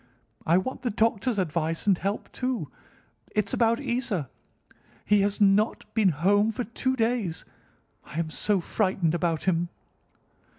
I want the doctor's advice and help, too. It's about Isa. He has not been home for two days. I am so frightened about him!"